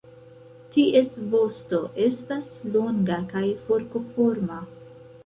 Ties vosto estas longa kaj forkoforma.